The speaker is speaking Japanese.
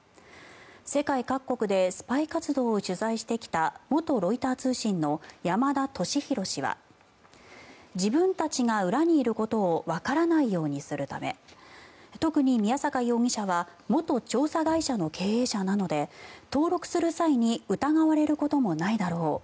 世界各国でスパイ活動を取材してきた元ロイター通信の山田敏弘氏は自分たちが裏にいることをわからないようにするため特に、宮坂容疑者は元調査会社の経営者なので登録する際に疑われることもないだろう